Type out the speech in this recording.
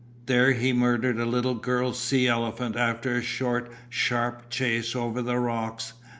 There he murdered a little girl sea elephant after a short, sharp chase over the rocks.